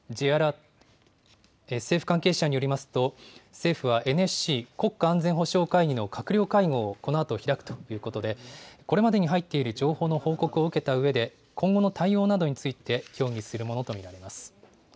政府関係者によりますと、政府はＮＳＣ・国家安全保障会議の閣僚会合をこのあと開くということで、これまでに入っている情報の報告を受けたうえで、今後の対応などについて協議するものと見られます。